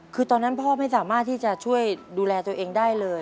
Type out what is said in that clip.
คือตอนนั้นพ่อไม่สามารถที่จะช่วยดูแลตัวเองได้เลย